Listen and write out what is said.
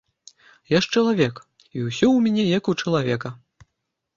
Я ж чалавек, і ўсё ў міне як у чалавека.